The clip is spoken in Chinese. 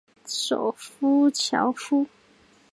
首府焦夫。